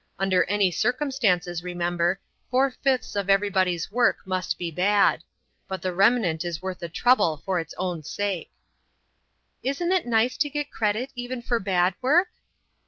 Under any circumstances, remember, four fifths of everybody's work must be bad. But the remnant is worth the trouble for it's own sake." "Isn't it nice to get credit even for bad work?"